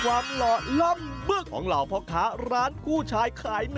หื้อหื้อหื้อหื้อหื้อหื้อหื้อหื้อหื้อหื้อหื้อหื้อ